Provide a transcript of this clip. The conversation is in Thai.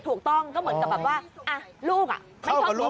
ถูกต้องก็เหมือนกับว่าลูกไม่ชอบกับแด่